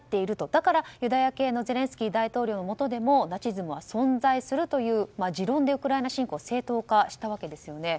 だからユダヤ系のゼレンスキー大統領のもとでもナチズムは存在するという持論でウクライナ侵攻を正当化したわけですよね。